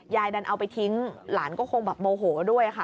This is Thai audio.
ยายดันเอาไปทิ้งหลานก็คงแบบโมโหด้วยค่ะ